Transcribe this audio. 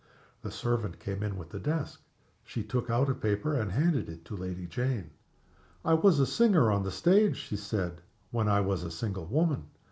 The servant came in with the desk. She took out a paper and handed it to Lady Jane. "I was a singer on the stage," she said, "when I was a single woman.